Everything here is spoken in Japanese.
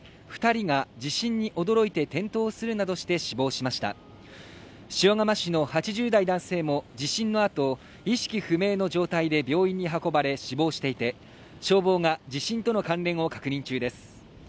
二人が地震に驚いて転倒するなどして死亡しました塩釜市の８０代男性も地震のあと意識不明の状態で病院に運ばれ死亡していて消防が地震との関連を確認中です